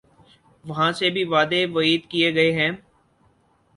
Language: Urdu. وہاں سے بھی وعدے وعید کیے گئے ہیں۔